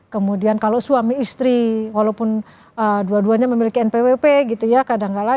kemudian kalau suami istri walaupun dua duanya memiliki npwp gitu ya kadangkala